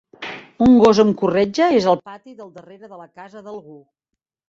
Un gos amb corretja és al pati del darrere de la casa d'algú.